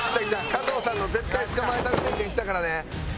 加藤さんの「絶対捕まえたる」宣言きたからね。